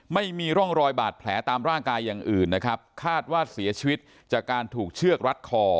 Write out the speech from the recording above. ไม่มีร่องรอยบาดแผลตามร่างกายอย่างอื่นนะครับคาดว่าเสียชีวิตจากการถูกเชือกรัดคอ